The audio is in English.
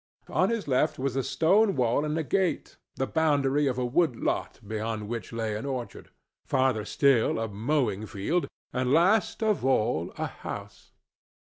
On his left was a stone wall and a gate, the boundary of a wood lot beyond which lay an orchard, farther still a mowing field, and last of all a house.